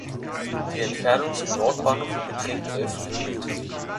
Die Entfernung zum Nordbahnhof beträgt elf Kilometer.